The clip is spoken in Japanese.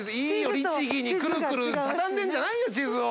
律義にくるくる畳んでんじゃないよ地図を！